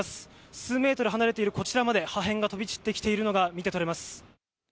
数メートル離れているこちらまで破片が飛び散ってきているのが見てとれます。